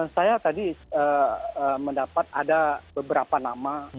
saya tadi mendapat ada beberapa nama